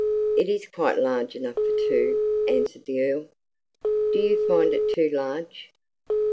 "It is quite large enough for two," answered the Earl. "Do you find it too large?"